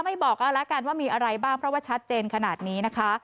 บอกเอาละกันว่ามีอะไรบ้างเพราะว่าชัดเจนขนาดนี้นะคะ